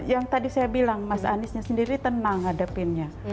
yang tadi saya bilang mas aniesnya sendiri tenang hadapinnya